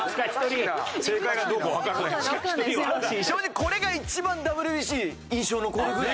正直これが一番ＷＢＣ印象に残るぐらい。